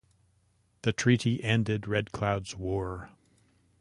The treaty ended Red Cloud's War.